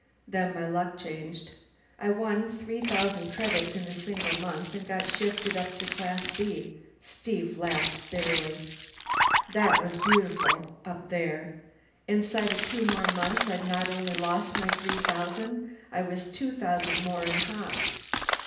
Then my luck changed; I won three thousand credits in a single month and got shifted up to Class B." Steve laughed bitterly. "That was beautiful, up there. Inside of two more months I'd not only lost my three thousand, I was two thousand more in hock.